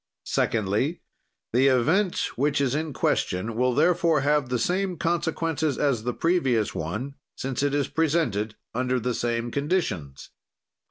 "Secondly, the event which is in question will therefore have the same consequences as the previous one, since it is presented under the same conditions.